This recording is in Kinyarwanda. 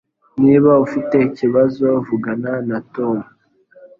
Niba ufite ikibazo vugana na Tom